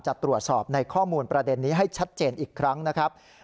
จะตรวจสอบในข้อมูลประเด็นนี้ให้ชัดเจนอีกครั้งนะครับ